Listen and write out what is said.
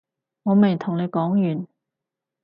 我未同你講完